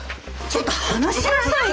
ちょっと離しなさい。